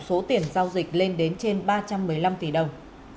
giao dịch lên đến trên ba trăm một mươi năm tỷ đồng